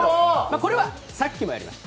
これはさっきもやりました。